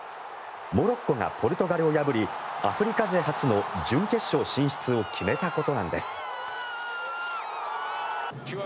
モロッコがポルトガルを破りアフリカ勢初の準決勝進出を決めたことなんです。